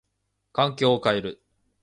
環境を変える。